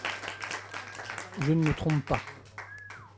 Je ne me trompe pas…